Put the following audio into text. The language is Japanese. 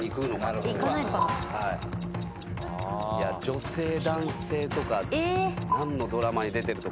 女性男性とか何のドラマに出てるとか。